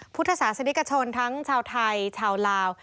ผู้ทศสัพย์ศิลิกชนทั้งชาวไทยชาวลาว